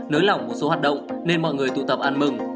nới lỏng một số hoạt động nên mọi người tụ tập ăn mừng